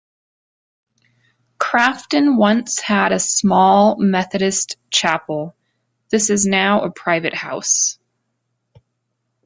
Crafton once had a small Methodist chapel; this is now a private house.